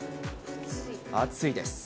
暑いです。